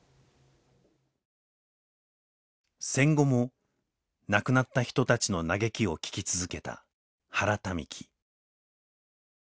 戦後も亡くなった人たちの嘆きを聞き続けた原民喜。